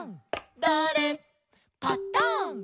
「だれ？パタン」